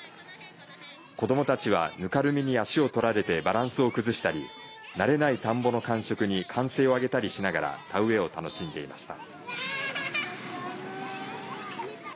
子どもたちはぬかるみに足を取られてバランスを崩したり慣れない田んぼの感触に歓声を上げたりしながら田植えを楽しんでいました。